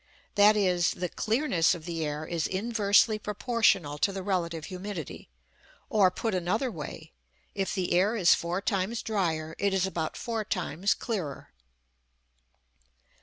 That is, the clearness of the air is inversely proportional to the relative humidity; or, put another way, if the air is four times drier it is about four times clearer.